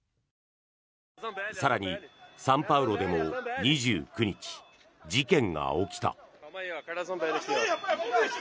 更に、サンパウロでも２９日事件が起きた。